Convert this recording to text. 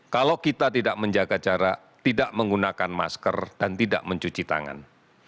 kalau kita tidak menjaga jarak tidak menggunakan masker dan tidak mencuci tangan